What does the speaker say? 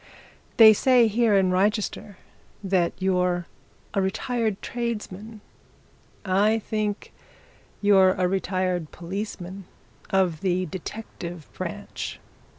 They say here in Wrychester that you're a retired tradesman. I think you're a retired policeman of the detective branch."